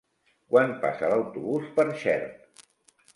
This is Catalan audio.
Quan passa l'autobús per Xert?